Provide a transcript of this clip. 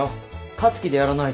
勝つ気でやらないと。